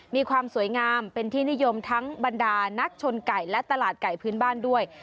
มีความสวยงามเป็นที่นิยมทั้งบรรดานักชนไก่และตลาดไก่พื้นบ้านด้วย